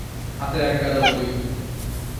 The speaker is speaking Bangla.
হাতে একগাদা বই।